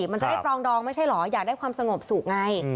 มันจะได้ปรองดองไม่ใช่เหรออยากได้ความสงบสุขไง